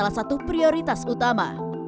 salah satu prioritas utama